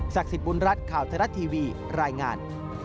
ศักดิ์สิทธิ์บุญรัฐข่าวทะลัดทีวีรายงาน